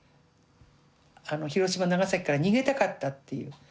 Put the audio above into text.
広島長崎から逃げたかったっていう。